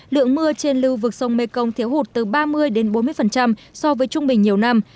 lượng mưa trên lưu vực sông mê công thiếu hụt từ ba mươi bốn mươi so với trung bình nhiều năm